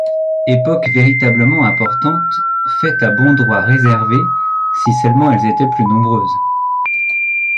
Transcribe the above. Époques véritablement importantes ; fêtes à bon droit réservées, si seulement elles étaient plus nombreuses !